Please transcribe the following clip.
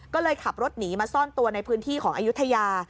ก็เลยขับรถหนีมาซ่อนตัวในพื้นที่ของอายุทยา